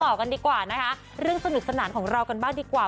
กันดีกว่านะคะเรื่องสนุกสนานของเรากันบ้างดีกว่า